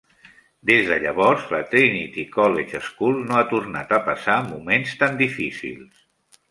Des de llavors la Trinity College School no ha tornat a passar moments tan difícils.